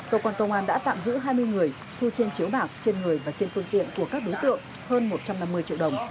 cơ quan công an đã tạm giữ hai mươi người thu trên chiếu bạc trên người và trên phương tiện của các đối tượng hơn một trăm năm mươi triệu đồng